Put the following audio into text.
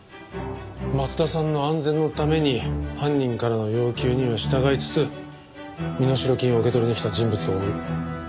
松田さんの安全のために犯人からの要求には従いつつ身代金を受け取りに来た人物を追う。